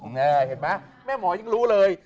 เห็นไหมแม่หมอยังรู้เลย